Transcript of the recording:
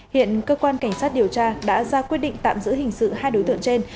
hiện cơ quan cảnh sát điều tra đã ra quyết định tạm giữ hình sự hai đối tượng trên